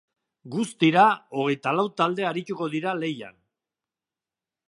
Guztira, hogeita lau talde arituko dira lehian.